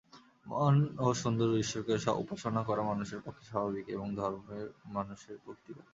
মহান ও সুন্দর ঈশ্বরকে উপাসনা করা মানুষের পক্ষে স্বাভাবিক, এবং ধর্ম মানুষের প্রকৃতিগত।